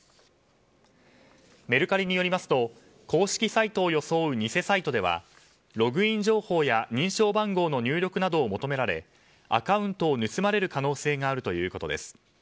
メルカリによりますと公式サイトを装う偽サイトではログイン情報や認証番号の入力などを求められアカウントを盗まれる可能性があるということです。